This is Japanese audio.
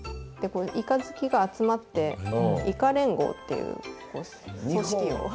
イカ好きが集まっていか連合っていう組織を。